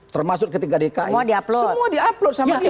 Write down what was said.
termasuk ketiga dki semua di upload